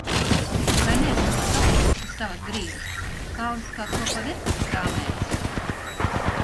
Vai neesi nosalusi uz savas grīdas? Kalvis kaut ko pa virtuvi krāmējas.